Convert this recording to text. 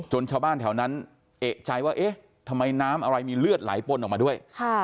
ชาวบ้านแถวนั้นเอกใจว่าเอ๊ะทำไมน้ำอะไรมีเลือดไหลปนออกมาด้วย